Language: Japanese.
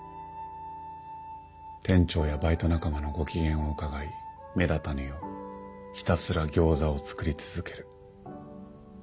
店長やバイト仲間のご機嫌をうかがい目立たぬようひたすらギョーザを作り続ける。